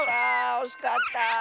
おしかった！